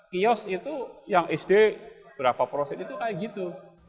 satu ratus tiga kios itu yang sd berapa prosit itu kayak gitu